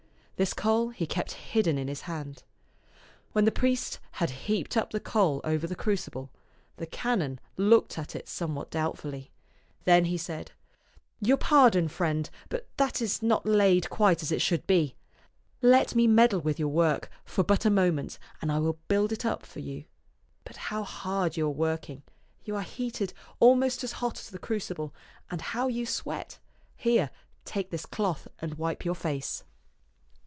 This coal he kept hidden in his hand. When the priest had heaped up the coal over the crucible, the canon looked at it somewhat doubt fully. Then he said, " Your pardon, friend, but that is not laid quite as it should be. Let me meddle with your work for but a moment and I will build it up for you. But how hard you are working ! You are heated almost as hot as the crucible, and how you sweat ! Here, take this cloth and wipe your face."